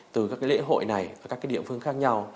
từ các cái lễ hội này và các cái địa phương khác nhau